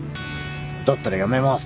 だったら辞めます。